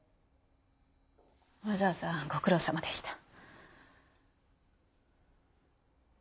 わざわざご苦労さまでした。